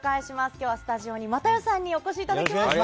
今日はスタジオに又吉さんにお越しいただきました。